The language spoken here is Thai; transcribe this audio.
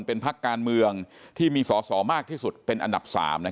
เป็นพักการเมืองที่มีสอสอมากที่สุดเป็นอันดับ๓